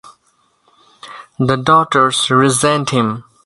The daughters resent him.